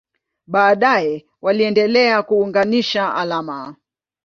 Baadaye waliendelea kuunganisha alama.